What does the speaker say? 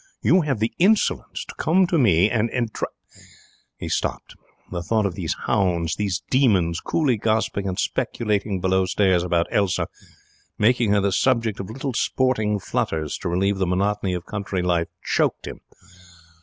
'You have the insolence to come to me and ' He stopped. The thought of these hounds, these demons, coolly gossiping and speculating below stairs about Elsa, making her the subject of little sporting flutters to relieve the monotony of country life, choked him.